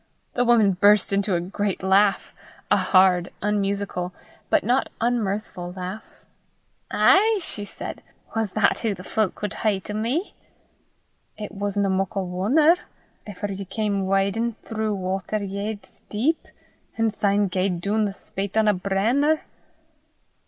The woman burst into a great laugh, a hard, unmusical, but not unmirthful laugh. "Ay!" she said, "was that hoo the fowk wad hae 't o' me?" "It wasna muckle won'er, efter ye cam wydin' throu' watter yairds deep, an' syne gaed doon the spate on a bran'er."